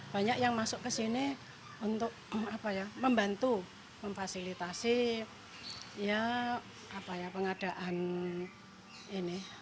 banyak yang masuk ke sini untuk membantu memfasilitasi pengadaan ini